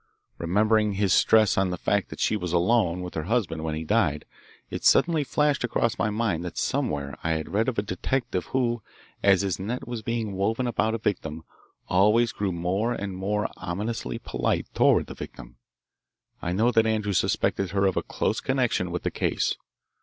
Remembering his stress on the fact that she was alone with her husband when he died, it suddenly flashed across my mind that somewhere I had read of a detective who, as his net was being woven about a victim, always grew more and more ominously polite toward the victim. I know that Andrews suspected her of a close connection with the case.